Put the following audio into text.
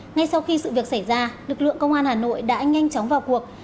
ngay sau khi sự việc xảy ra lực lượng công an hà nội đã nhanh chóng vào cuộc